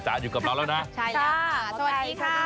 ใช่แล้วค่ะสวัสดีครับ